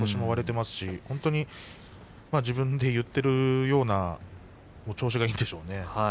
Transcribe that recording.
本当に自分で言っているような調子がいいんでしょうね。